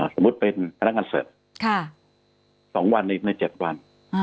สมมุติเป็นพนักงานเสิร์ฟ๒วันอีกใน๗วัน